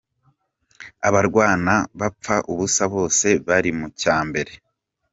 Abarwana bapfa ubusa bose bari mu cya mbere.